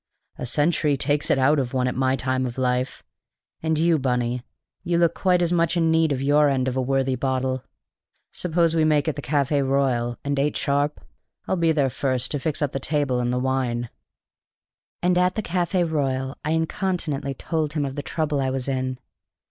"A century takes it out of one at my time of life; and you, Bunny, you look quite as much in need of your end of a worthy bottle. Suppose we make it the Café Royal, and eight sharp? I'll be there first to fix up the table and the wine." And at the Café Royal I incontinently told him of the trouble I was in.